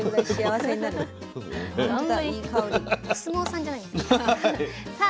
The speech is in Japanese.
お相撲さんじゃないんだから。